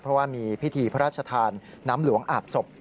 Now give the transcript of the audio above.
เพราะว่ามีพิธีพระราชทานน้ำหลวงอาบศพ